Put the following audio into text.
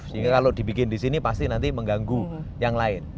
sehingga kalau dibikin disini pasti nanti mengganggu yang lain